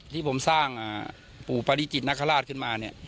ที่ผมสร้างปู่ปะดิจิตนคราชขึ้นมา